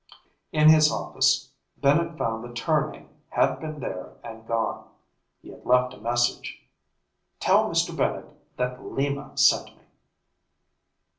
In his office, Bennett found that Tournay had been there and gone. He had left a message: "Tell Mr. Bennett that Lima sent me!"